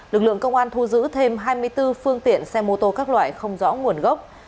lực lượng công an thu giữ thêm hai mươi bốn phương tiện xe mô tô các loại không rõ nguồn gốc